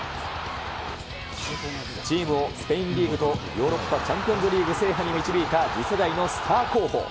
チームをスペインリーグとヨーロッパチャンピオンズリーグ制覇に導いた次世代のスター候補。